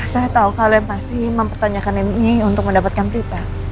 saya tahu kalian pasti mempertanyakan mui untuk mendapatkan berita